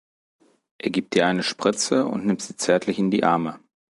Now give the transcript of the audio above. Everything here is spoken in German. Er gibt ihr eine Spritze und nimmt sie zärtlich in die Arme.